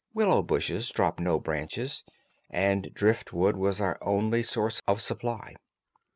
Willow bushes drop no branches, and driftwood was our only source of supply.